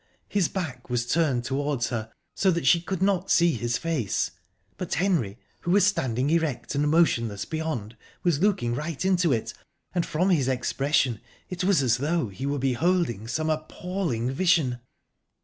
His back was turned towards her, so that she could not see his face, but Henry, who was standing erect and motionless beyond, was looking right into it, and, from his expression, it was as though he were beholding some appalling vision!...